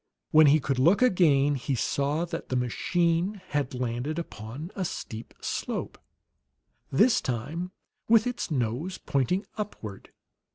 When he could look again, he saw that the machine had landed upon a steep slope, this time with its nose pointing upward.